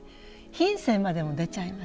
品性までも出ちゃいます。